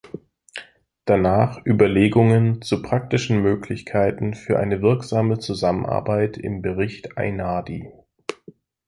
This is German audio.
Danach Überlegungen zu praktischen Möglichkeiten für eine wirksame Zusammenarbeit im Bericht Ainardi.